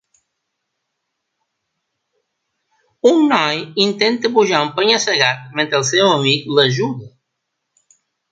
Un noi intenta pujar un penya-segat mentre el seu amic l'ajuda.